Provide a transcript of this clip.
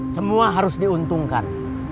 semua harus diuntungkan